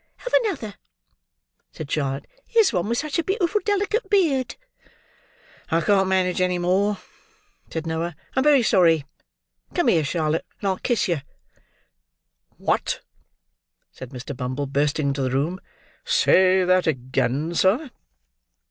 "Have another," said Charlotte. "Here's one with such a beautiful, delicate beard!" "I can't manage any more," said Noah. "I'm very sorry. Come here, Charlotte, and I'll kiss yer." "What!" said Mr. Bumble, bursting into the room. "Say that again, sir."